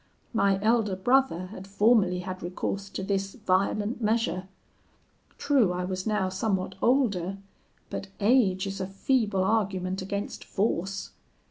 My elder brother had formerly had recourse to this violent measure. True, I was now somewhat older; but age is a feeble argument against force.